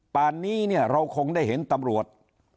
ปาร์นนี้เราคงได้เห็นตำรวจ